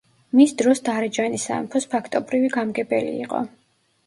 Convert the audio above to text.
მის დროს დარეჯანი სამეფოს ფაქტობრივი გამგებელი იყო.